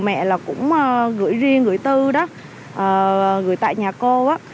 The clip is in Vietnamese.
bây giờ cũng gửi riêng gửi tư đó gửi tại nhà cô á